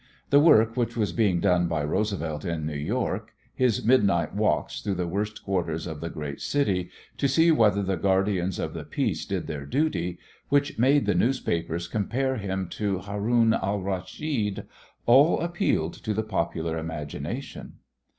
The work which was being done by Roosevelt in New York, his midnight walks through the worst quarters of the great city, to see whether the guardians of the peace did their duty, which made the newspapers compare him to Haroun Al Raschid, all appealed to the popular imagination.